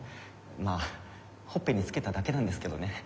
まあほっぺにつけただけなんですけどね。